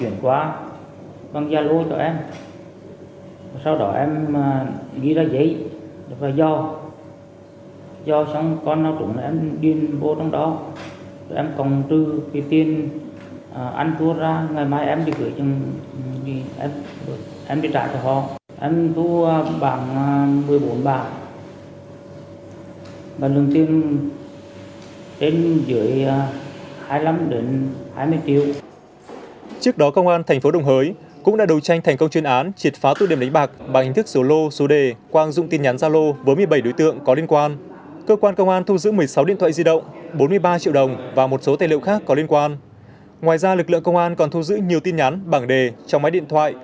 ngoài ra lực lượng công an còn thu giữ nhiều tin nhắn bảng đề trong máy điện thoại